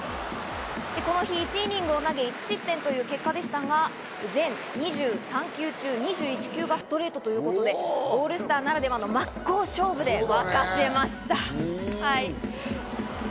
この日、１イニングを投げ、１失点という結果でしたが、全２３球中２１球がストレートということで、オールスターならではの真っ向勝負で沸かせました。